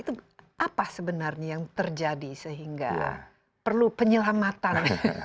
itu apa sebenarnya yang terjadi sehingga perlu penyelamatan